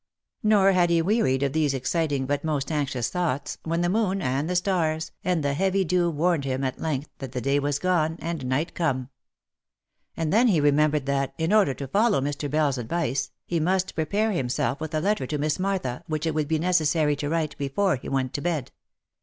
Nor had he wearied of these exciting, but most anxious thoughts, when the moon, and the stars, and the heavy dew warned him at length that the day was gone, and night come. And then he remembered that, in order to follow Mr. Bell's advice, he must prepare himself with a letter to Miss Martha, which it would be necessary to write before he went to bed.